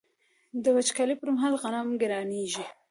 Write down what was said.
د وچکالۍ پر مهال غنم ګرانیږي.